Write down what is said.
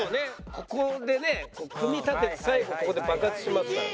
ここでね組み立てて最後ここで爆発しますから。